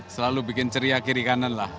selalu bikin ceria kiri kanan lah